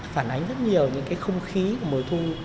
phản ánh rất nhiều những cái không khí của mùa thu